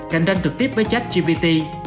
cạnh tranh trực tiếp với chat gpt